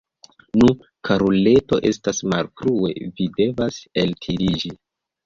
Nu, karuleto, estas malfrue, vi devas ellitiĝi!